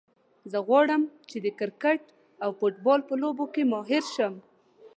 زه غواړم چې د کرکټ او فوټبال په لوبو کې ماهر شم